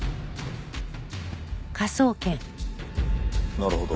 なるほど。